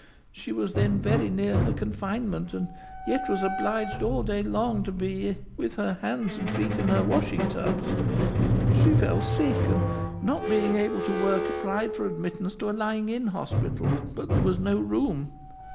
She was then very near her confinement, and yet was obliged all day long to be with her hands and feet in her washing tubs. She fell sick, and, not being able to work, applied for admittance to a lying in hospital, but there was no room.